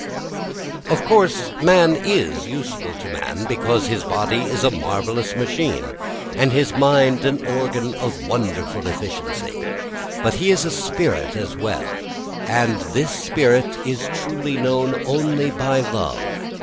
Of course man is useful to man, because his body is a marvellous machine and his mind an organ of wonderful efficiency. But he is a spirit as well, and this spirit is truly known only by love.